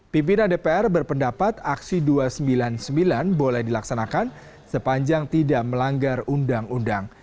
pimpinan dpr berpendapat aksi dua ratus sembilan puluh sembilan boleh dilaksanakan sepanjang tidak melanggar undang undang